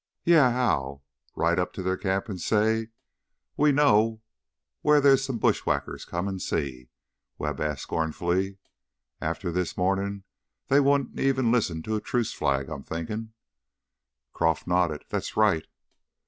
"Yeah, how? Ride up to their camp an' say, 'We know wheah at theah's some bushwhackers, come'n see'?" Webb asked scornfully. "After this mornin' they won't even listen to a truce flag, I'm thinkin'." Croff nodded. "That's right."